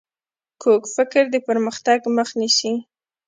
کوږ فکر د پرمختګ مخ نیسي